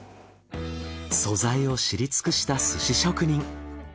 素材を知り尽くした寿司職人。